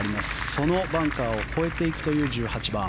そのバンカーを越えていくという１８番。